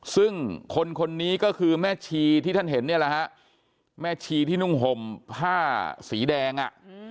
ซึ่งคนคนนี้ก็คือแม่ชีที่ท่านเห็นเนี่ยแหละฮะแม่ชีที่นุ่งห่มผ้าสีแดงอ่ะ